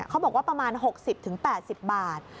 เขาบอกว่าประมาณ๖๐๘๐บาท